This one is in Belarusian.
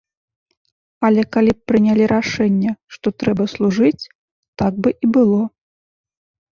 Але калі б прынялі рашэнне, што трэба служыць, так бы і было.